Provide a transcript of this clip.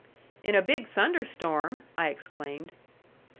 "In a big thunderstorm!" I exclaimed.